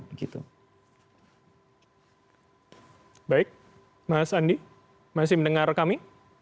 baik mas andi masih mendengar kami